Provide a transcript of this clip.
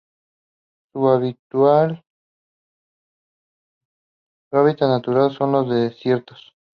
Su hábitat natural son los desiertos.